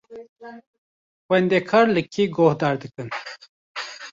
Xwendekar li kê guhdar dikin?